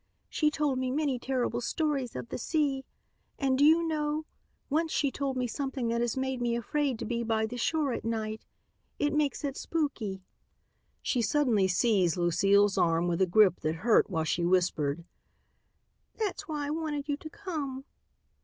She told me many terrible stories of the sea. And do you know, once she told me something that has made me afraid to be by the shore at night. It makes it spooky." She suddenly seized Lucile's arm with a grip that hurt while she whispered, "That's why I wanted you to come.